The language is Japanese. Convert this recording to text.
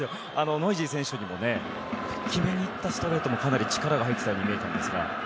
ノイジー選手にも決めに行ったストレートもかなり力が入っていたように見えたんですが。